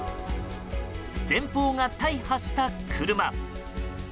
前方が大破した車。